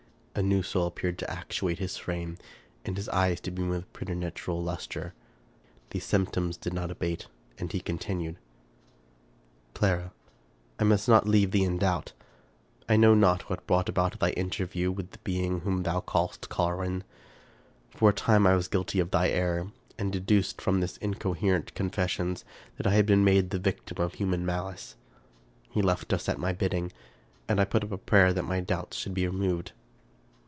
A new soul appeared to actuate his frame, and his eyes to beam with preternatural luster. These symptoms did not abate, and he continued :—" Clara, I must not leave thee in doubt. I know not what brought about thy interview with the being whom thou callest Carwin. For a time I was guilty of thy error, and deduced from his incoherent confessions that I had been made the victim of human malice. He left us at my bidding, and I put up a prayer that my doubts should be removed.